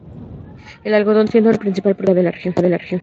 El algodón sigue siendo el principal producto agrícola de la región.